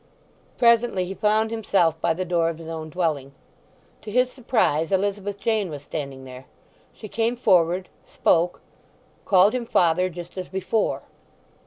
Presently he found himself by the door of his own dwelling. To his surprise Elizabeth Jane was standing there. She came forward, spoke, called him "father" just as before.